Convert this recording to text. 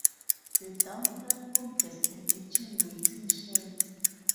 The down platform has a matching waiting shelter.